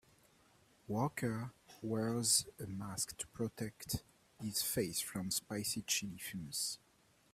Worker wears a mask to protect his face from spicy chili fumes.